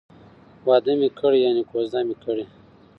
واده می کړی ،یعنی کوزده می کړې